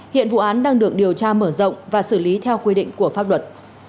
hiện vụ án đang được điều tra mở rộng và xử lý theo quy định của pháp luật